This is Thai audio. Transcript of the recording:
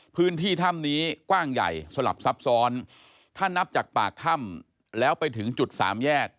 พื้นที่ถ้ำนี้กว้างใหญ่สลับซับซ้อนถ้านับจากปากถ้ำแล้วไปถึงจุดสามแยก